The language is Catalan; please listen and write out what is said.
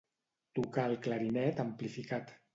Tocar el clarinet amplificat.